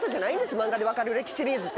漫画で分かる歴史シリーズって。